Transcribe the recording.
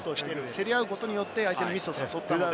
競り合うことによって相手のミスを誘っている。